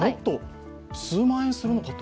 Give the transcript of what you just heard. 数万円するのかと。